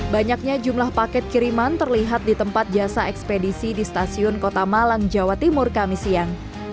banyaknya jumlah paket kiriman terlihat di tempat jasa ekspedisi di stasiun kota malang jawa timur kami siang